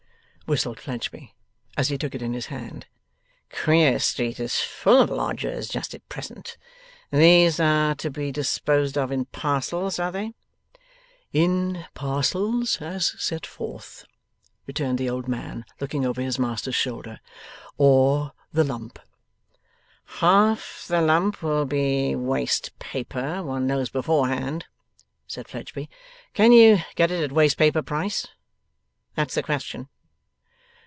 whistled Fledgeby, as he took it in his hand. 'Queer Street is full of lodgers just at present! These are to be disposed of in parcels; are they?' 'In parcels as set forth,' returned the old man, looking over his master's shoulder; 'or the lump.' 'Half the lump will be waste paper, one knows beforehand,' said Fledgeby. 'Can you get it at waste paper price? That's the question.